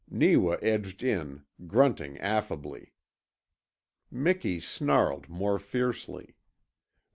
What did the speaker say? Neewa edged in, grunting affably. Miki snarled more fiercely.